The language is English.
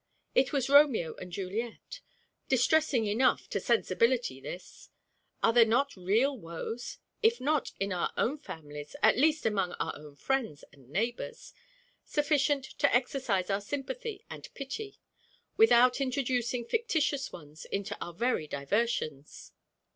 It was Romeo and Juliet. Distressing enough to sensibility this! Are there not real woes (if not in our own families, at least among our own friends and neighbors) sufficient to exercise our sympathy and pity, without introducing fictitious ones into our very diversions?